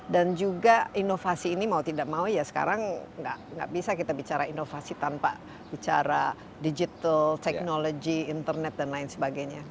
dan juga inovasi ini mau tidak mau ya sekarang tidak bisa kita bicara inovasi tanpa bicara digital technology internet dan lain sebagainya